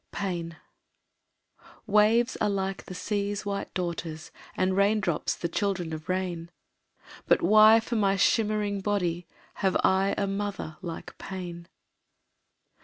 Pain Waves are the sea's white daughters, And raindrops the children of rain, But why for my shimmering body Have I a mother like Pain?